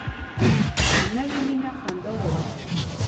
نوې مینه خندا راولي